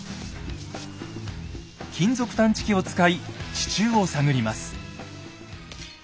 金属探知機を使い地中を探ります。